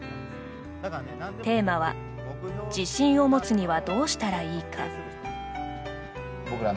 テーマは「自信を持つにはどうしたらいいか」。